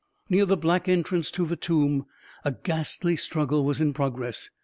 Near the black entrance to the tomb, a ghastly struggle was in progress.